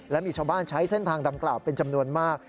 และมีชาวบ้านใช้เส้นทางดังกล่าวเป็นจำนวนมาก